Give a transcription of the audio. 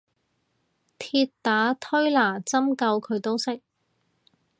鐵打推拿針灸佢都識